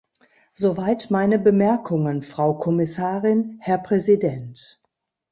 Soweit meine Bemerkungen, Frau Kommissarin, Herr Präsident.